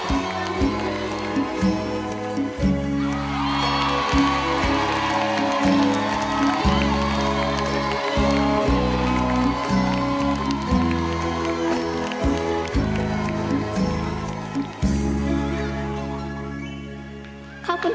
สำคัญ